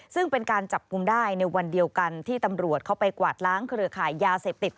ซึ่งเป็นการจับกลุ่มได้ในวันเดียวกันที่ตำรวจเข้าไปกวาดล้างเครือขายยาเสพติด